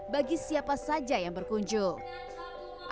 bagi siapa saja yang berkunjung